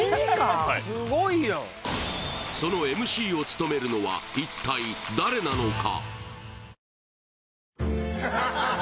すごいやんそのＭＣを務めるのは一体誰なのか？